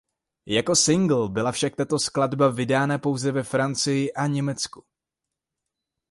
Jako singl byla však tato skladba vydána pouze ve Francii a Německu.